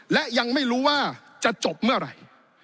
และยังไม่รู้ว่าจะจบเมื่อไหร่